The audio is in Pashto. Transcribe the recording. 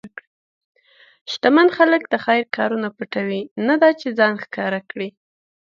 شتمن خلک د خیر کارونه پټوي، نه دا چې ځان ښکاره کړي.